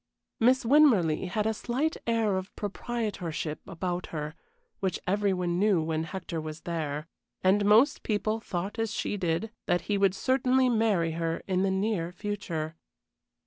Miss Winmarleigh had a slight air of proprietorship about her, which every one knew when Hector was there. And most people thought as she did, that he would certainly marry her in the near future.